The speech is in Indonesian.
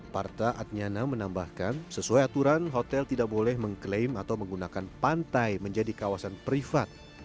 parta adnyana menambahkan sesuai aturan hotel tidak boleh mengklaim atau menggunakan pantai menjadi kawasan privat